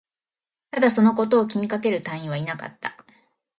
ただ、そのことを気にかける隊員はいなかった